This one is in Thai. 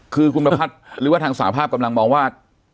คือคุณประพัทธ์หรือว่าทางสาภาพกำลังมองว่า